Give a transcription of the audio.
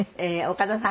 吉田さん